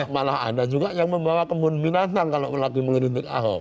malah ada juga yang membawa kebun binatang kalau lagi mengkritik ahok